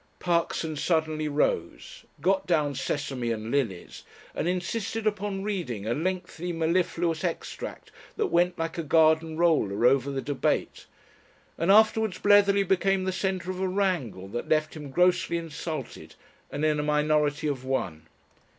Parkson suddenly rose, got down "Sesame and Lilies," and insisted upon reading a lengthy mellifluous extract that went like a garden roller over the debate, and afterwards Bletherley became the centre of a wrangle that left him grossly insulted and in a minority of one.